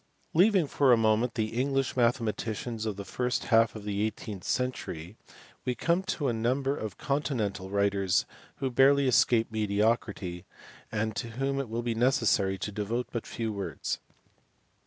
u Leaving for a moment the English mathematicians of the first half of the eighteenth century we come next to a number of continental writers who barely escape mediocrity, and to whom it will be necessary to devote but few words.